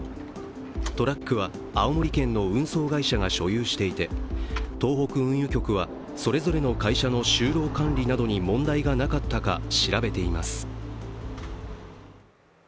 トラックは青森県の運送会社が所有していて東北運輸局はそれぞれの会社の就労管理などに問題がなかったか調べています。